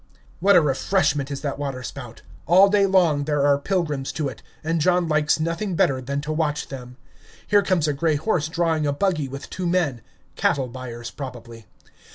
What a refreshment is that water spout! All day long there are pilgrims to it, and John likes nothing better than to watch them. Here comes a gray horse drawing a buggy with two men, cattle buyers, probably.